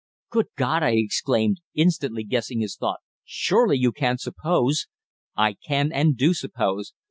"Good God!" I exclaimed, instantly guessing his thought, "surely you can't suppose " "I can, and do suppose.